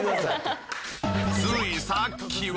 ついさっきは。